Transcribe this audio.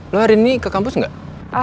lo hari ini ke kampus nggak